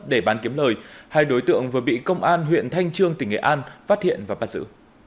để bán kiếm lời hai đối tượng vừa bị công an huyện thanh trương tỉnh nghệ an phát hiện và bắt giữ